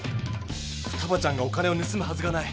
ふたばちゃんがお金をぬすむはずがない。